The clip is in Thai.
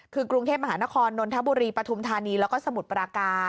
คือกรุงเทพมหานครนนทบุรีปฐุมธานีแล้วก็สมุทรปราการ